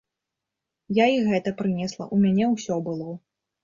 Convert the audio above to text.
Я і гэта прынесла, у мяне ўсё было.